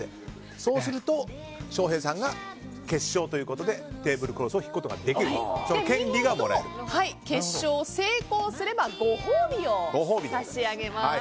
そうすると、翔平さんが決勝ということでテーブルクロスを引くことができる決勝を成功すればご褒美を差し上げます。